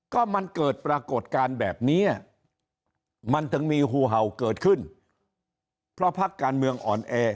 ก็มันเกิดปรากฏการณ์แบบนี้มันถึงมีหูเห่าเกิดขึ้นเพราะพักการเมืองอ่อนแอ